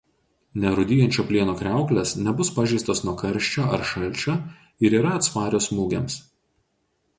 Nerūdijančio plieno kriauklės nebus pažeistos nuo karščio ar šalčio ir yra atsparios smūgiams.